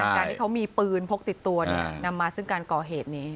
การที่เขามีปืนพกติดตัวนำมาซึ่งการก่อเหตุนี้